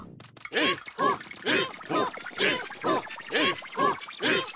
えっほえっほえっほえっほ。